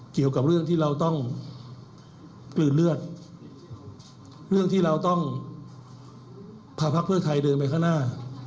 เกี่ยวกับเรื่องที่เราต้องกลืนเลือดเรื่องที่เราต้องพาพักเพื่อไทยเดินไปข้างหน้า